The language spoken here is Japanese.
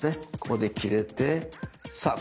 ここで切れてさあ